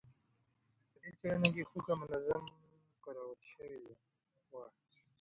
په دې څېړنه کې هوږه منظم کارول شوې وه.